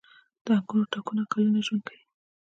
• د انګورو تاکونه کلونه ژوند کوي.